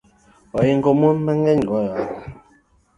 Oingo mon mang’eny gohala